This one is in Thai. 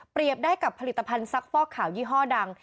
ได้กับผลิตภัณฑ์ซักฟอกขาวยี่ห้อดัง